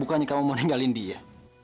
bukannya kamu mau ninggalin dia